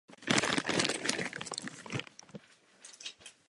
Jsou obvykle jeden až pět kilometrů široká s různou hloubkou zářezu do okolní krajiny.